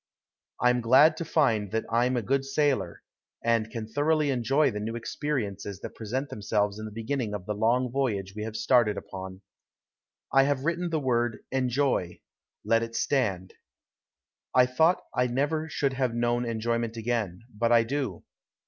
I'm glad to find that I'm a good sailor, and can thoroughly enjoy the new experiences that present themselves in the beginning of the long voyage we have started upon. I have written the word "enjoy"; let it stand. I thought I never should have known enjoyment again, but I do.